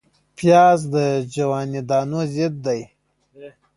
پیاز د جواني دانو ضد دی